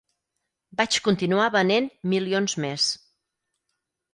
Vaig continuar venent milions més.